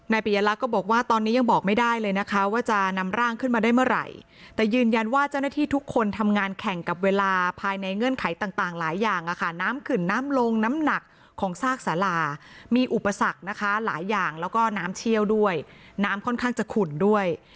ปียลักษณ์ก็บอกว่าตอนนี้ยังบอกไม่ได้เลยนะคะว่าจะนำร่างขึ้นมาได้เมื่อไหร่แต่ยืนยันว่าเจ้าหน้าที่ทุกคนทำงานแข่งกับเวลาภายในเงื่อนไขต่างต่างหลายอย่างน้ำขึนน้ำลงน้ำหนักของซากสารามีอุปสรรคนะคะหลายอย่างแล้วก็น้ำเชี่ยวด้วยน้ำค่อนข้างจะขุ่นด้วย